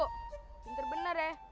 pinter bener ya